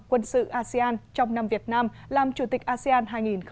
quân sự asean trong năm việt nam làm chủ tịch asean hai nghìn hai mươi